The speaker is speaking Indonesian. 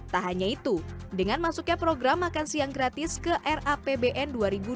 tak hanya itu dengan masuknya program makan siang gratis ke rapbn dua ribu dua puluh lima